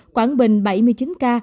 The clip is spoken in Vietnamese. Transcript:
quảng bình bảy mươi chín ca